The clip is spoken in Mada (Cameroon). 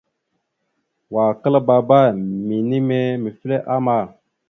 Wa klaabba minime mefle ama.